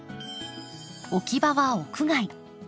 置き場は屋外。